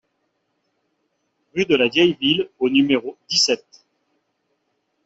Rue de la Vieille Ville au numéro dix-sept